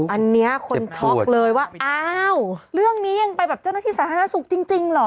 อันนี้คนช็อกเลยว่าอ้าวเรื่องนี้ยังไปแบบเจ้าหน้าที่สาธารณสุขจริงเหรอ